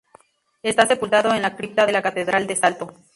Está sepultado en la cripta de la Catedral de Salto.